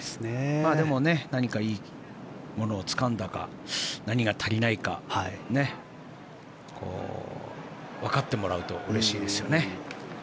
でも何かいいものをつかんだか何が足りないかわかってもらうとうれしいですよね。